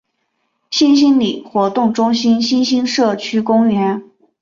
新兴里活动中心新兴社区公园